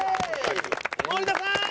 森田さーん！